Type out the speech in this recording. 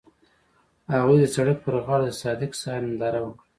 هغوی د سړک پر غاړه د صادق سهار ننداره وکړه.